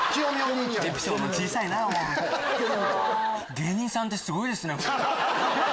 芸人さんってすごいですね。